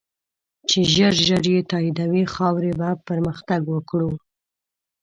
چی ژر ژر یی تایدوی ، خاوری به پرمختګ وکړو